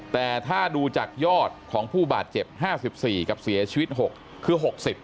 แต่ถ้าดูจากยอดของผู้บาดเจ็บ๕๔กับเสียชีวิต๖คือ๖๐